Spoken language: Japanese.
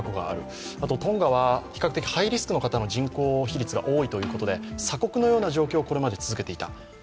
あとトンガは比較的ハイリスクの方の人口比率が高いということで鎖国のような状況をこれまで続けていた。